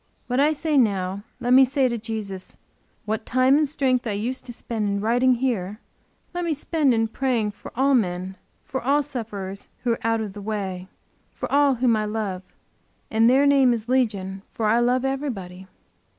What I say now, let me say to Jesus. What time and strength I used to spend in writing here, let me spend in praying for all men, for all sufferers who are out of the way, for all whom I love. And their name is Legion for I love everybody.